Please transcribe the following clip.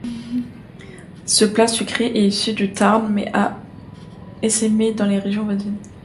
Ce plat sucré est issu du Tarn mais a essaimé dans les régions voisines.